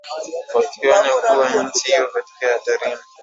wakionya kuwa nchi hiyo iko hatarini